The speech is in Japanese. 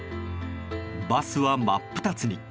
バスは真っ二つに。